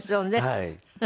はい。